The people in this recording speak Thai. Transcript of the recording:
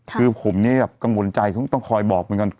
คือผมกังวลใจต้องคอยบอกมันก่อน